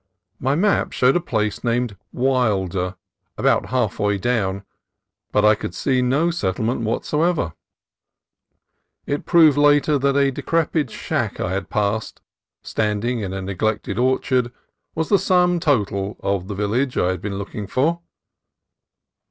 My map showed a place named Wilder about halfway down, but I could see no settlement whatever. It proved later that a decrepit shack I had passed, standing in a neglected orchard, was the sum total of the vil lage I had been looking for.